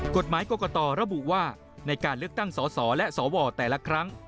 กฎหมายกรกตระบุว่าในการเลือกตั้งสสและสวแต่ละครั้ง